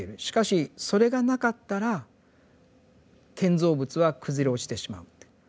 しかしそれがなかったら建造物は崩れ落ちてしまうって。